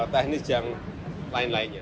teknis yang lain lainnya